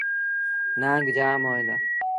نآنگ جآم هوئين دآ۔